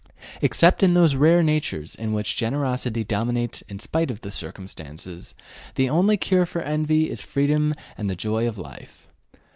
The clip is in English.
Except in those rare natures in which generosity dominates in spite of circumstances, the only cure for envy is freedom and the joy of life.